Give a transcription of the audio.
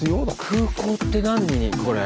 空港って何これ。